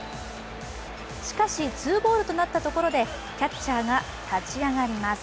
しかし、ツーボールとなったところで、キャッチャーが立ち上がります。